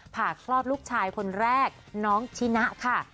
ผ่าคลอดลูกชายคนแรกน้องชินะค่ะ